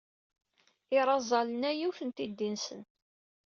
Irazalen-a yiwet n tiddi-nsen.